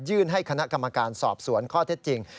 ให้คณะกรรมการสอบสวนข้อเท็จจริง